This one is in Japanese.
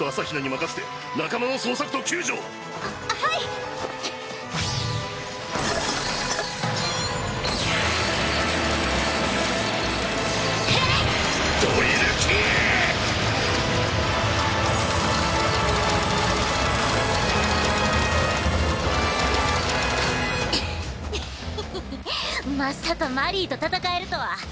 まさかマリーと戦えるとは。